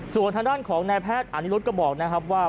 ส่วนทางด้านของนายแพทย์อานิรุธก็บอกนะครับว่า